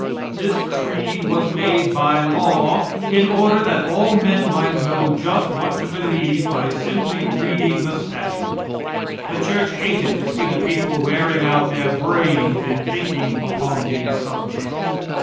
This creed was made by law, in order that all men might know just what to believe by simply reading the statute. The church hated to see the people wearing out their brains in thinking upon these subjects.